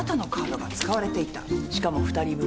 しかも二人分。